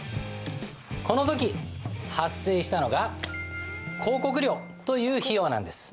この時発生したのが広告料という費用なんです。